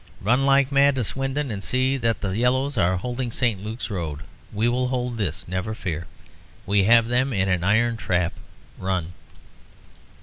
Run like mad to Swindon, and see that the yellows are holding the St. Luke's Road. We will hold this, never fear. We have them in an iron trap. Run!"